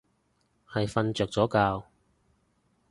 係瞓着咗覺